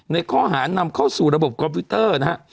ในข้อหานำเข้าสู่ระบบคอมพิวเตอร์นะฮะ